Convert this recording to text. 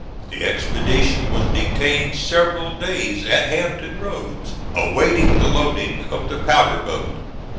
The expedition was detained several days at Hampton Roads, awaiting the loading of the powder boat.